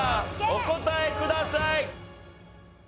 お答えください。